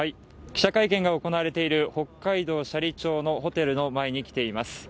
記者会見が行われている北海道斜里町のホテルの前に来ています。